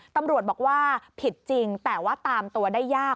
ตำรวจบอกว่าผิดจริงแต่ว่าตามตัวได้ยาก